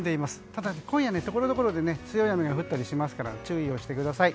ただ、今夜ところどころで強い雨が降ったりしますから注意してください。